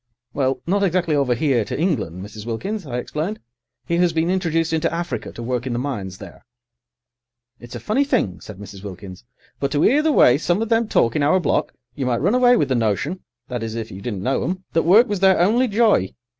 "Well, not exactly over here, to England, Mrs. Wilkins," I explained. "He has been introduced into Africa to work in the mines there." "It's a funny thing," said Mrs. Wilkins, "but to 'ear the way some of them talk in our block, you might run away with the notion—that is, if you didn't know 'em—that work was their only joy.